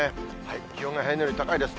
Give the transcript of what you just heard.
気温が平年より高いです。